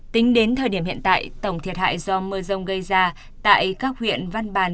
tính đến thời điểm hiện tại tổng thiệt hại do mưa rông gây ra tại các huyện văn bàn